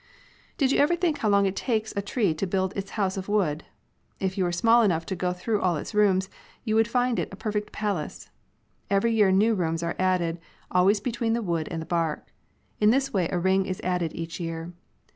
lOI Did you ever think how long it takes a tree to build its house of wood ? If you were small enough to go through all its rooms, you would find it a per fect palace. Every year new rooms are added, always between the wood and the bark. In this way a ring is added each year.